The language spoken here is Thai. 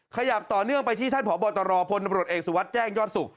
ขยับต่อเนื่องไปที่ท่านพบตรพลตำรวจเอกสุวัสดิ์แจ้งยอดสุข